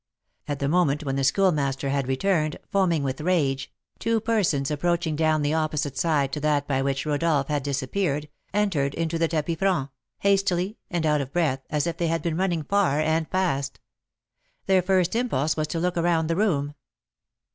At the moment when the Schoolmaster had returned, foaming with rage, two persons, approaching from the opposite side to that by which Rodolph had disappeared, entered into the tapis franc, hastily, and out of breath, as if they had been running far and fast. Their first impulse was to look around the room.